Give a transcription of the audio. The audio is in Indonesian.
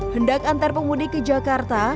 hendak antar pemudik ke jakarta